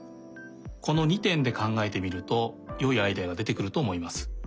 この２てんでかんがえてみるとよいアイデアがでてくるとおもいます。